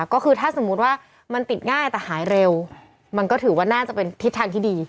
ก็คือถ้าสมมุติว่ามันติดง่ายแต่หายเร็วมันก็ถือว่าน่าจะเป็นทิศทางที่ดี